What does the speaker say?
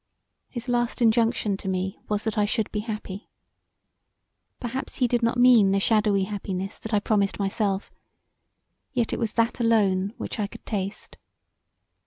His last injunction to me was that I should be happy; perhaps he did not mean the shadowy happiness that I promised myself, yet it was that alone which I could taste.